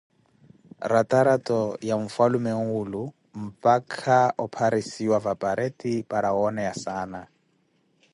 ratarato ya mfwalume mwulo mpakha opharisiwa va pareti para wooneye saana.